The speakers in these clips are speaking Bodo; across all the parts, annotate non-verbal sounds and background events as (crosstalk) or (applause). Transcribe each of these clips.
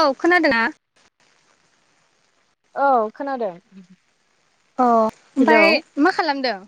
औ खोनादोंना? औ खोनादों। औ हेलौ ओमफाय मा खालामदों?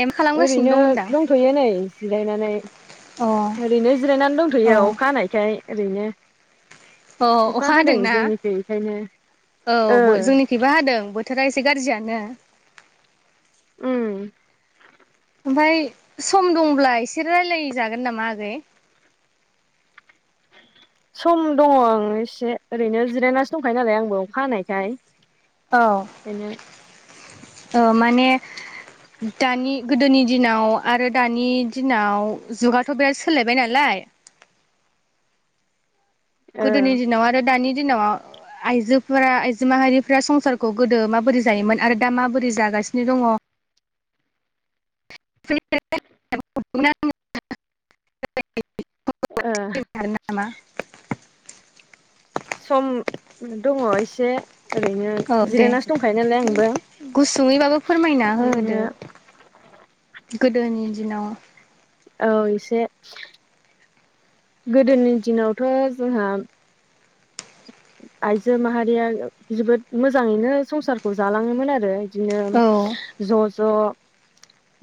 ए मा खालामगासिनो ओरैनो दं होनदां दंथ'यो नै जिरायनानै अ ओरैनो जिरायनानै अ दंथ'यो अखा हानायखाय ओरैनो अ अखा हादों हादोंना जोंनिथिं बेखायनो ओ खैबो हादों बोथोरा एसे गाज्रियानो। ओम ओमफाय सम दंब्ला एसे रायलायजागोन नामा आगै। सम दङ' ओं एसे ओरैनो जिरायनासो दंखायो नालाय आंबो अखा हानायखाय औ ओंखायनो औ माने दानि गोदोनि दिनाव आरो दानि दिनाव जुगाथ' बिराद सोलायबाय नालाय ओ गोदोनि दिनाव आरो दानि दिनाव आइजोफोरा आइजो माहारिफ्रा संसारखौ गोदो माबोरै जायोमोन आरो दा माबोरै जागासिनो दङ' (unintelligible) ओ खारो नामा (unintelligible) सम दङ' इसे ओरैनो औ दे जिरायनासो दंखायो नालाय आंबो गुसुङैबाबो फोरमायना बिदिनो होदो (inaudible) गोदोनि दिनाव औ इसे गोदोनि दिनावथ' जोंहा आइजो माहारिया जोबोद मोजाङैनो संसारखौ जालाङोमोन आरो बिदिनो औ ज' ज'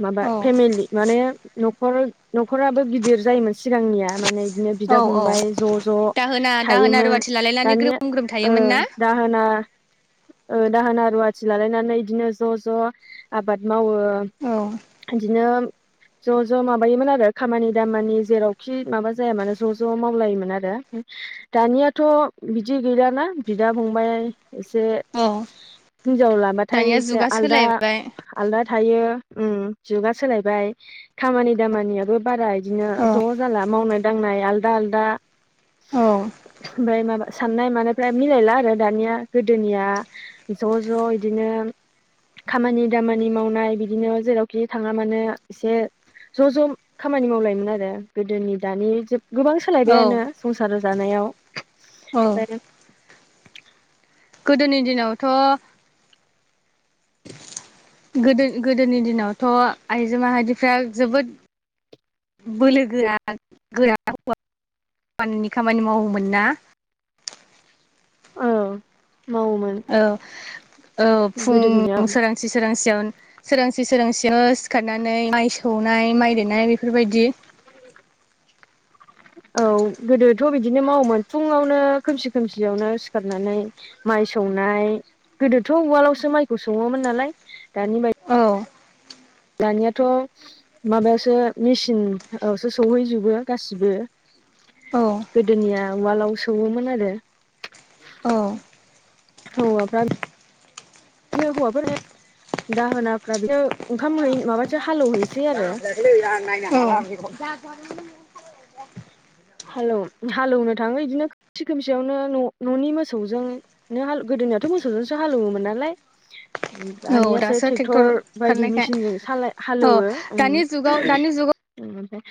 माबा औ फेमिलि माने न'खर न'खराबो गिदिर जायोमोन सिगांनिया माने बिदिनो बिदा औ औ फंबाय ज' ज' दाहोना दाहोना थायोमोन रुवाथि लालायनानै दानिया ग्रोम ग्रोम ओ थायोमोन ना दा दाहोना ओ दाहोना रुवाथि लालायनानै इदिनो ज' ज' आबाद मावो औ इदिनो ज' ज' माबायोमोन आरो खामानि दामानि जेरावखि माबा जायामानो ज' ज' मावलायोमोन आरो दानियाथ' बिदि गैलाना बिदा फंबाइ एसे औ हिनजाव लाबाथाय दानिया एसे जुगा आलदा सोलायबाय आलदा थायो उम जुगा सोलायबाय खामानि दामानियाबो बाराय बिदिनो औ ज' जाला मावनाय दांनाय आलदा आलदा औ ओमफ्राय माबा साननाय मानायफ्रा मिलायला आरो दानिया गोदोनिया ज' ज' इदिनो खामानि दामानि मावनाय बिदिनो जेरावखि थाङा मानो एसे ज' ज' खामानि मावलायोमोन आरो गोदोनि दानि जुग गोबां औ सोलायबायानो संसार जानायाव औ गोदोनि दिनावथ' गोदो गोदोनि दिनावथ' आइजो माहारिफ्रा जोबोद बोलो गोरा गोरा हौवानि खामानि मावोमोन ना औ मावोमोन औ औ गोदोनिया फुं सोरांसि सोरांसियावनो सोरांसि सोरांसियाव सिखारनानै माइ सौनाय, माइ देनाय बेफोरबायदि औ गोदोथ' बिदिनो मावोमोन फुङावनो खोमसि खोमसियावनो सिखारनानै माइ सौनाय गोदोथ' उवालावसो माइखौ सौवोमोन नालाय दानि बाय औ दानियाथ' माबायावसो मेसिनावसो सोहैजोबो गासिबो औ गोदोनिया उवालाव सौयोमोन आरो। औ हौवाफ्रायो ओ बिदिनो हौवाफोर दाहोनाफ्रा बिदिनो ओंखाम माबासो हालेवहैसै आरो। (unintelligible) हालौ हालेवनो थाङो बिदिनो खोमसि खोमसियावनो' न'नि मोसौजोंनो। न' हाल गोदोनियाथ' मोसौजोंसो हालेवोमोन नालाय औ दानियासो दासो ट्रेक्टर बायदि ओंखारनायखाय मेसिनजों साल औ हालेवोनो दानि औ जुगाव दानि जुगावथ' ओमफायो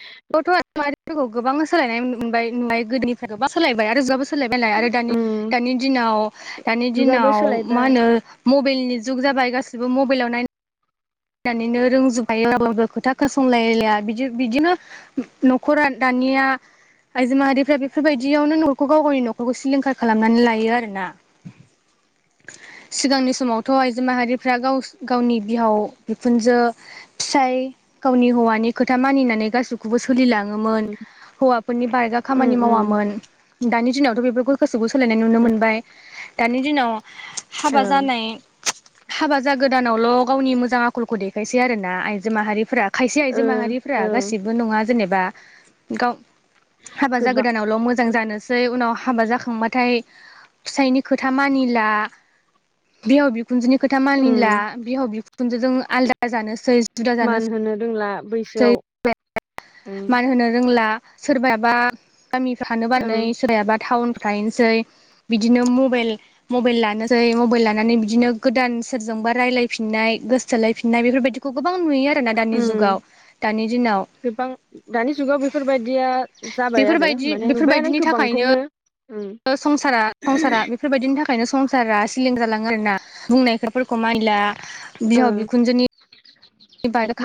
गोबां सोलायनाय मोनबाय न गोदोनिफ्रायबा सोलायबाय आरो जुवाबो सो (unintelligible) सोलायबायलाय आरो दा उम दिनाव दानि जुगाबो दिनाव सोलायबाय मा होनो मबाइलनि जुग जाबाय गासिबो मबाइलाव नायना नैनो रोंजोबा खायो रावबो (unintelligible) खोथा खोनासंलायलाया बिदि बिदिनो न'खरा दानिया ओ आइजो माहारिफ्रा बेफोरबायदियावनो न'खौ गाव गावनि न'खरखौ सिलिंखार खालामनानै लायो आरो ना (inaudible) सिगांनि समावथ' आइजो माहारिफ्रा गाव गावनि बिहाव बिखुनजो फिसाय गावनि हौवानि खोथा मानिनानै गासैखौबो सोलिलां नोयोमोन हौवाफोरानि बारगा उम खामानि उम मावामोन दानि दिनावथ बेफोरखौ गोसिबो सोलायनाय नुनो मोनबाय दानि दिनाव हाबा औ जानाया हाबा जा गोदानावल' गावनि मोजां आखलखौ देखायसै आरो ना आइजो माहारिफोरा खायसे आयजो ओ माहारिफ्रा औ गासिबो नङा जेनेबा गावो हाबा जा गोबां गोदानावल' मोजां जानोसै उनाव हाबा जाखांबाथायो फिसायनि खोथा मानिला बिहाव बिखुनजोनि खोथा उम मानिला बिहाव बिखुनजोआ खुनजों जों आलदा जानोसै मान होनो रोंला बैसोआव उम (unintelligible) मान होनो रोंला सोरबायाबा गामियाव (unintelligible) थानो ओं बानानै सोरबायाबा टाउनफोराव थाहैनोसै बिदिनो मबाइल मबाइल लानोसै मबाइल लानानै बिदिनो गोदान सोरजोंबा रायलायफिननाय थोलायफिननाय बेफोरबादिखौ गोबां नुयो आरोना दानि उम जुगाव दानि दिनाव गोबां दानि जुगाव बेफोरबायदिया जाबाय आरो बेफोरबायदि माने नुबायानो बेफोरबायदिनि थाखायनो गोबांखौनो उम संसारा संसारा बे बेफोरबायदिनि थाखायनो संसारा सिलिंखार जालाङो आरो ना बुंनायफोरखौ मानिला ओ बिहाव बिखुनजोनि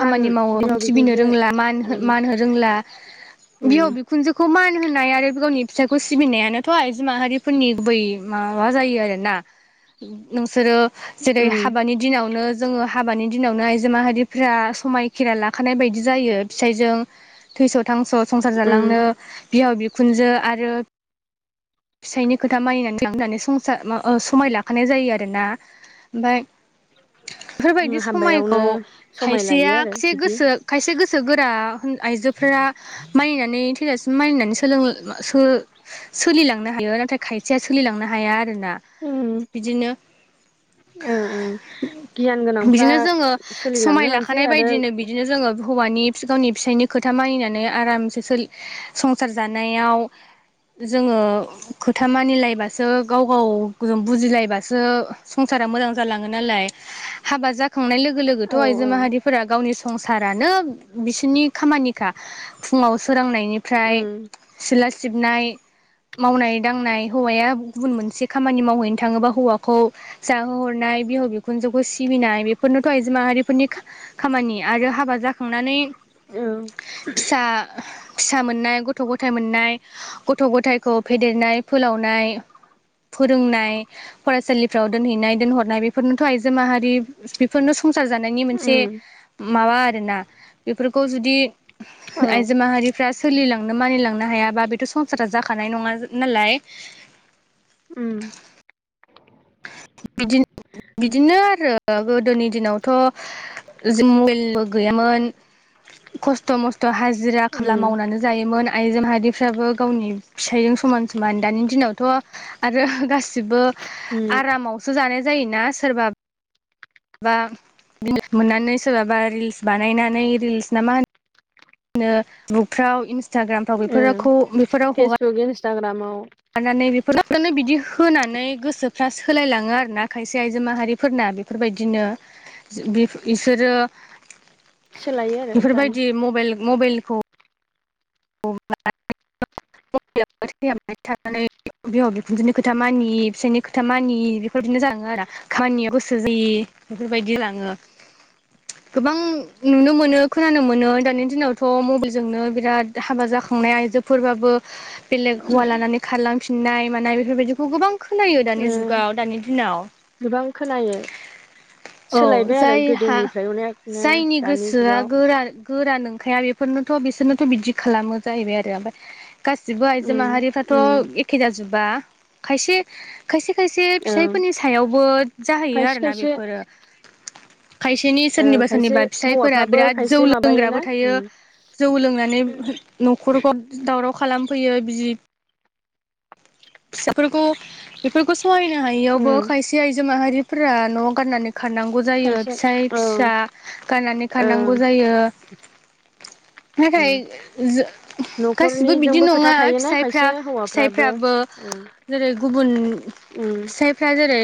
मान मावो ओं बिहाव सिबिनो बिखुनजो रोंला मान उम होनो रोंला बिहाव उम बिखुनजोखौ मान होनाय आरो गावनि फिसाइखौ सिबिनायानोथ' आइजो माहारिफोरनि गुबै हा माबा जायो आरो ना नोंसोरो जेरै उम हाबानि दिनावनो जोङो हाबानि दिनावनो आइजो माहारिफो फ्रा समायखिरा लाखानाय बायदि जायो फिसाइजों थैस' थांस' संसार जालांनो उम बिहाव बिखुनजो आरो फिसायनि खोथा मानिनानै लांनानै संसार समाय लाखानाय जायो आरोना ओ ओमफ्राय बेबादि समायखौ हाबायावनो समाय खायसेया लायो आरो खायसे बिदि गोसो खायसे गोसो गोसो गोरा आइजोफोरा मानिनानै थैजासिम मानिनानै सोलोंनो सोलिलांनो हायो नाथाय खायसेया सोलिलांनो हाया आरो ना। ओम। बिदिनो ओं ओ गियान गोनांफ्रा बिदिनो जोङो सोलिलांनोबो समाय लाखानाय बायदिनो बिदिनो जोङो हौवानि गावनि फिसायनि खोथा मानिनानै आरामसे सोलि संसार जानायाव जोङो खोथा मानिलायबासो गाव गावजों बुजिलायबासो संसारा मोजां जालाङो नालाय हाबा जाखांनाय लोगो लोगो औ थ' आइजो औ माहारिफोरा गावनि संसारानो बिसोरनि खामानिखा फुङाव सोरांनायनिफ्राय उम सिथला सिबनाय मावनाय दांनाय हौवाया गुबुन मोनसे खामानि मावहैनो थाङोबा हौवाखौ जाहोहरनाय बिहाव बिखुनजोखौ सिबिनाय बेफोरनोथ' आइजो माहारिफोरनि खामानि आरो हाबा जाखांनानै औ फिसा फिसा मोननाय गथ' गथाय मोननाय गथ' गथायखौ फेदेरनाय फोलावनाय फोरोंनाय फरायसालिफ्राव दोनहैनाय दोनहरनाय बेफोरनोथ' आइजो माहारि बेफोरनो संसार संसारा जानाय नि उम माबा आरो ना बेफोरखौ जुदि औ आयजो माहारि फ्रा सोलिलांनो मानिलांनो हायाबा बेथ' संसारा जाखानाय नङा नालाय ओम बिदि बिदिनो आरो गोदोनि दिनावथ' मबाइलबो गैयामोन खस्थ' मस्थ' हाजिरा खाला उम मावनानै जायोमोन आइजो माहारिफ्राबो गावनि फिसायजों समान समान दानि दिनावथ' आरो गासिबो उम आरामावसो जानाय जायोना सोरबा बा (unintelligible) मोननानै सोरबाबा रिल्स बानायनानै रिल्स ना मा होनो बिदिनो बुकफ्राव इन्सटाग्रामफ्राव ओ बेफोरखौ फेसबुक इन्सटाग्रामाव मानानै बेफोरखौनो बिदि होनानै गोसोफ्रा सोलायलाङो आरोना खायसे आइजो माहारि फोरना बेफोरबायदिनो बि बिसोरो सोलायो आरो दानि बेफोरबायदि मबेल मबेलखौ (unintelligible) बिहाव बिखुनजोनि खोथा मानियि, फिसायनि खोथा मानियि बेफोरबायदिनो जालाङो आरोना खामानियाव गोसो जायि बेफोरबायदि लाङो गोबां नुनो मोनो खोनानो मोनो दानि दिनावथ' मबाइलजोंनो बिराद हाबा जाखांनाय आइजोफोरबाबो बेलेग हौवा लानानै खारलांफिननाय मानाय बेफोरबायदिखौ गोबां खोनायो ओ दानि जुगाव दानि दिनाव गोबां खोनायो औ सोलायबाय आरो जायहा गोदोनिफ्राय अनेकनो जायनि दानि गोसोआ जुगाव गोरा गोरा नोंखाया बेफोरनोथ' बिसोरनोथ' बिदि खालामो जाहैबाय आरो ओमफाय गासिबो आइजो उम उम माहारिफ्राथ' एखे जाजोबा खायसे खायसे खायसे औ फिसायफोरनि सायावबो जाहैयो खायसे आरोना खायसे बेफोरो खायसेनि ओ सोरनिबा खायसे सोरनिबा फिसाइफोरा हौवाफ्राबो बिराद जौ खायसे माबायोना लोंग्राबो उम थायो जौ लोंनानै न'खरखौ दावराव खालामफैयो बिजि फिसाफोरखौ बेफोरखौ सहायनो उम हायैयावबो खायसे आयजो माहारिफोरा न' गाननानै खारनांगौ जायो खायसे फिसाइ, औ फिसा गारनानै ओ खारनांगौ जायो उम नाथाय जो गासिबो बिदि न'खरनिजोंबो खोथा नङा थायोना फिसायफ्रा खायसे हौवाफ्राबो फिसाइफ्राबो ओं जेरै गुबुन उम फिसाइफ्रा जेरै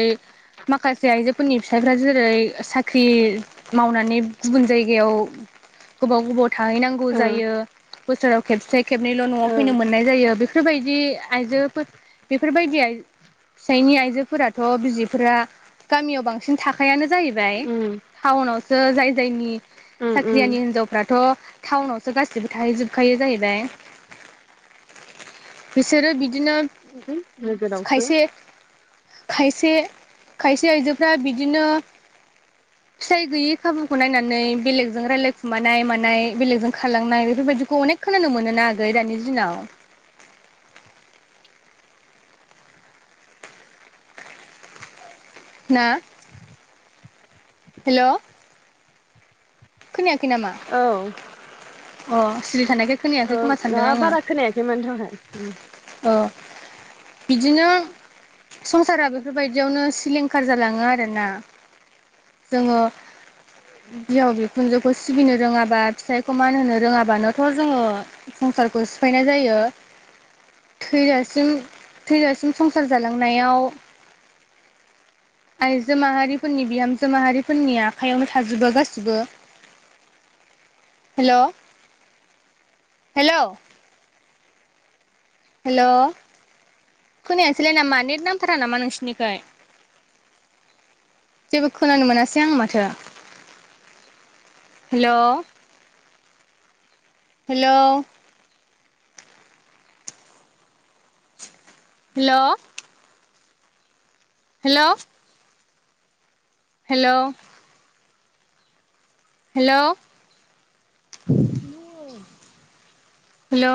माखासे आइजोफोरनि फिसाइफ्रा जेरै साख्रि मावनानै गुबुन जायगायाव गोबाव गोबाव थाहैनांगौ ओ जायो बोसोराव खेबसे खेबनैल' न'आव ओ फैनो मोन नाय जायो बेफोरबायदि आइजोफोर बेफोरबायदि आय फिसायनि आइजोफोराथ' बिजिफोरा गामियाव बांसिन थाखायानो जाहैबाय उम थाउनावसो जाय जायनि उम साख्रियानि उम हिनजावफ्राथ' थाउनावसो गासिबो थाहैजोबखायो जाहैबाय बिसोरो बिदिनो है नोगोरावसो खायसे खायसे खायसे आइजोफ्रा बिदिनो फिसाइ गैयै खाबुखौ नायनानै बेलेगजों रायलाय खुमानाय मानाय बेलेगजों खारलांनाय बेफोरबायदिखौ अनेक खोनानो मोनोना आगै दानि दिनाव ना हेल' खोनायाखै नामा? औ अ सिरि थानायखाय खोनायाखै ओ खोमा सानदों माबा बारा खोनायाखैमोन दहाय ओ बिदिनो संसारा बेफोरबायदियावनो सिलिंखार जालाङो आरो ना जोङो बिहाव बिखुनजोखौ सिबिनो रोङाबा फिसाइखौ मान होनो रोङाबानोथ' जोङो संसारखौ सिफायनाय जायो थैजासिम थैजासिम संसार जालांनायाव आरो आयजो माहारिफोरनि बिहामजो माहारिफोरनि आखायावनो थाजोबो गासिबो हेल' हेलौ हेल' खोनायासैलाय नामा नेट नांथारा नामा नोंसोरनिखै जेबो खोनानो मोनासै आं माथो हेल' हेलौ हेल' हेल' हेल' हेल' हेल'